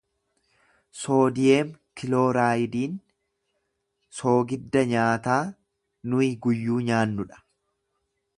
Soodiyeem kilooraayidiin soogidda nyaataa nuyi guyyuu nyaannu dha.